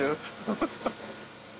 ハハハ。